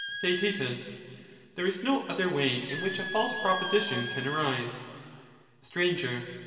Theaet. There is no other way in which a false proposition can arise. 241 Str.